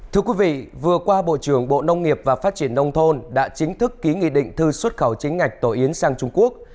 thưa quý vị vừa qua bộ trưởng bộ nông nghiệp và phát triển nông thôn đã chính thức ký nghị định thư xuất khẩu chính ngạch tổ yến sang trung quốc